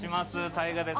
ＴＡＩＧＡです。